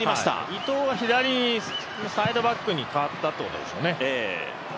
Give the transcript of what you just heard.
伊藤が左のサイドバックにかわったってことですよね。